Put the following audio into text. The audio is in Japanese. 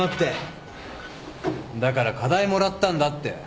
だから課題もらったんだって。